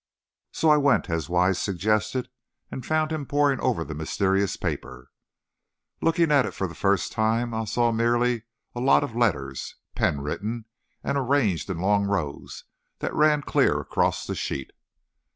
So I went, as Wise suggested, and found him poring over the mysterious paper. Looking at it for the first time, I saw merely a lot of letters, pen written, and arranged in long rows that ran clear across the sheet.